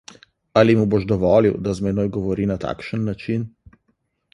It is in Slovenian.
Ali mu boš dovolil, da z menoj govori na takšen način?